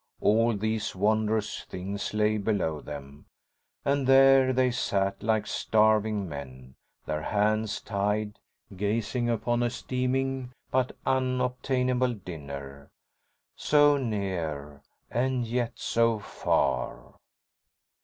All these wondrous things lay below them, and here they sat, like starving men, their hands tied, gazing upon a steaming but unobtainable dinner. So near and yet so far.